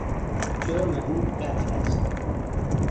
جرم او قتل است.